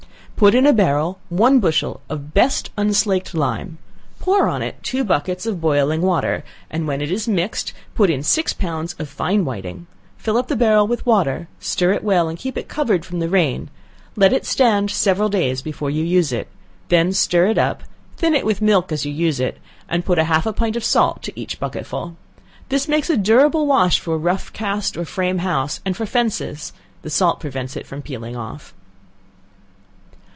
Put in a barrel, one bushel of best unslaked lime, pour on it two buckets of boiling water, and when it is mixed put in six pounds of fine whiting, fill up the barrel with water, stir it well, and keep it covered from the rain, let it stand several days before you use it, when stir it up; thin it with milk as you use it, and put half a pint of salt to each bucket full. This makes a durable wash for a rough cast or frame house, or for fences; the salt prevents it from peeling off.